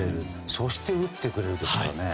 そして打ってくれるですから。